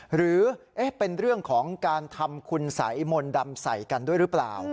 หรือเป็นเรื่องของการทำคุณสัยมนต์ดำใส่กันด้วยหรือเปล่า